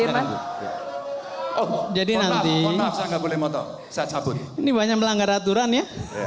irman jadi nanti saya cabut ini banyak melanggar aturan ya